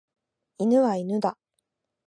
犬は犬だ。